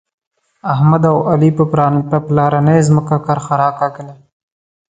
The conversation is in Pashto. احمد او علي په پلارنۍ ځمکه کرښه راکاږله.